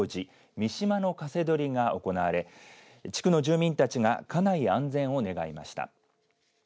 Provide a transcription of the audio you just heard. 見島のカセドリが行われ地区の住民たちが家内安全を願いました。